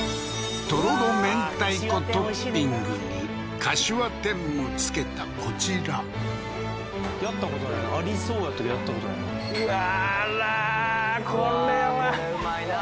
とろろ明太子トッピングにかしわ天もつけたこちらやったことないありそうやったけどやったことないな